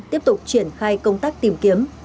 tiếp tục triển khai công tác tìm kiếm